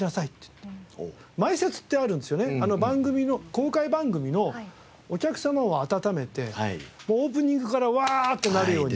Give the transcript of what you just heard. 公開番組のお客様を温めてオープニングからうわってなるように。